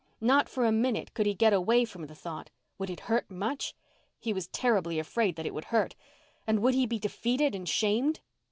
Not for a minute could he get away from the thought. Would it hurt much? He was terribly afraid that it would hurt. And would he be defeated and shamed?